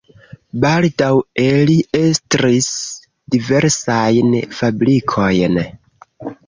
Baldaŭe li estris diversajn fabrikojn.